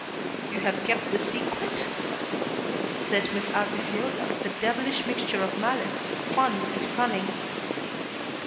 "You have kept the secret?" said Miss Altifiorla with a devilish mixture of malice, fun, and cunning.